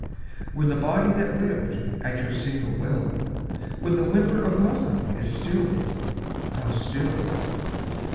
When the body that lived at your single will When the whimper of welcome is stilled (how still!)